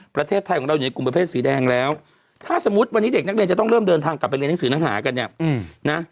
ประเทศไทยของเราอยู่ในกลุ่มประเภทสีแดงแล้วถ้าสมมุติวันนี้เด็กนักเรียนจะต้องเริ่มเดินทางกลับไปเรียนหนังสือนักหากันเนี่ยนะ